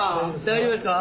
大丈夫ですか？